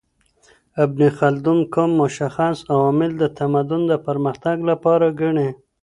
ابن خلدون کوم مشخص عوامل د تمدن د پرمختګ لپاره ګڼي؟